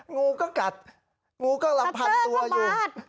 งูก็กัดงูก็ลำพัดตัวอยู่